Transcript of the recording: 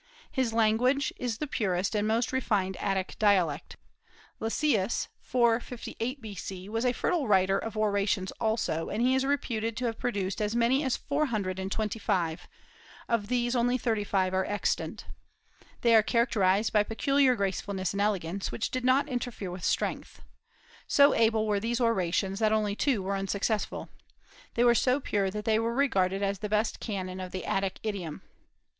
His language is the purest and most refined Attic dialect. Lysias, 458 B.C., was a fertile writer of orations also, and he is reputed to have produced as many as four hundred and twenty five; of these only thirty five are extant. They are characterized by peculiar gracefulness and elegance, which did not interfere with strength. So able were these orations that only two were unsuccessful. They were so pure that they were regarded as the best canon of the Attic idiom.